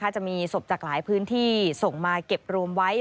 จะมีศพจากหลายพื้นที่ส่งมาเก็บรวมไว้